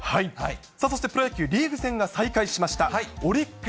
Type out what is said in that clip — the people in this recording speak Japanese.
そしてプロ野球リーグ戦が再開しました。